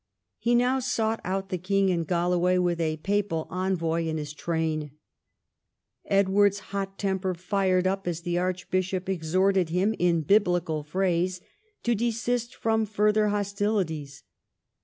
He now sought out the king in Galloway with a papal envoy in his train. Edward's hot temper fired up as the archbishop exhorted him in Biblical phrase to desist from further hostilities.